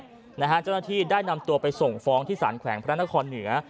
เจ้าหน้าที่ได้นำตัวไปส่งฟ้องที่สารแขวงพระนครเหนือ